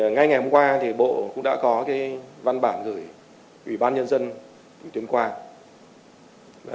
ngay ngày hôm qua bộ cũng đã có văn bản gửi ủy ban nhân dân tỉnh tuyên quang